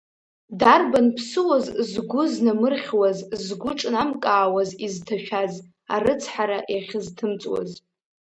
Дарбан ԥсуаз згәы знамырхьуаз, згәы ҿнамкаауаз изҭашәаз арыцҳара иахьызҭымҵуаз!